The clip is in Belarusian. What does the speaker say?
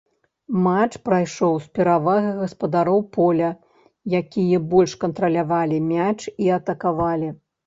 Матч прайшоў з перавагай гаспадароў поля, якія больш кантралявалі мяч і атакавалі.